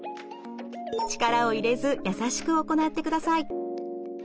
力を入れず優しく行ってください。